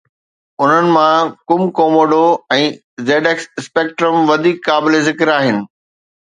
انهن مان، Cumcomodo ۽ ZX Spectrum وڌيڪ قابل ذڪر آهن